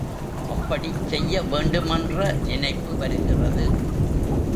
அப்படிச் செய்ய வேண்டுமென்ற நினைப்பு வருகிறது.